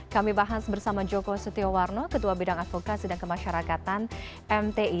kami bahas bersama joko setiowarno ketua bidang advokasi dan kemasyarakatan mti